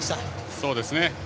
そうですね。